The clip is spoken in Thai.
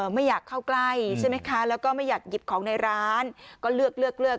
ไม่อยากเข้าใกล้ใช่ไหมคะแล้วก็ไม่อยากหยิบของในร้านก็เลือกเลือก